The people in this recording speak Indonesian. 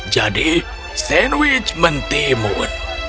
jadi sandwich mentimun